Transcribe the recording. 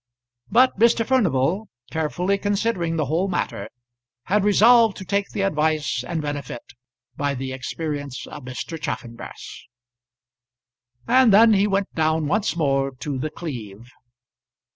But Mr. Furnival, carefully considering the whole matter, had resolved to take the advice and benefit by the experience of Mr. Chaffanbrass. And then he went down once more to The Cleeve.